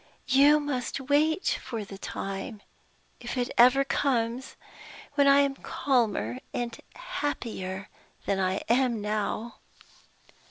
You must wait for the time if it ever comes! when I am calmer and happier than I am now."